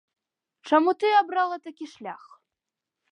Чаму ты абрала такі шлях?